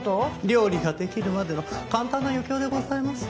料理ができるまでの簡単な余興でございます。